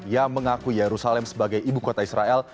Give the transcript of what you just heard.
yang mengakui yerusalem sebagai ibu kota israel